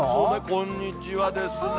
こんにちはですね。